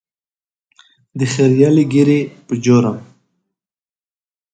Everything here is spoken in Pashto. د خرییلې ږیرې په جرم.